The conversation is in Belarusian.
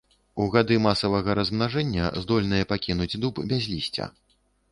У гады масавага размнажэння здольныя пакінуць дуб без лісця.